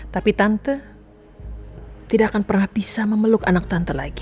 tapi tante tidak akan pernah bisa memeluk anak tante lagi